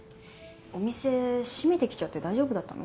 お店閉めてきちゃって大丈夫だったの？